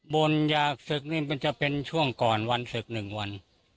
บนอยากศึกนี่มันจะเป็นช่วงก่อนวันศึก๑วัน